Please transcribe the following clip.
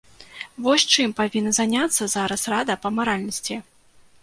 Вось чым павінна заняцца зараз рада па маральнасці!